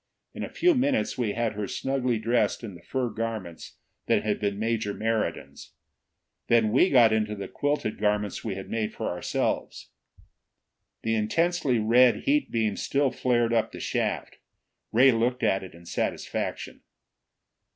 In a few minutes we had her snugly dressed in the fur garments that had been Major Meriden's. Then we got into the quilted garments we had made for ourselves. The intensely red heat beam still flared up the shaft. Ray looked at it in satisfaction.